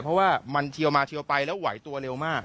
เพราะว่ามันเทียวมาเชียวไปแล้วไหวตัวเร็วมาก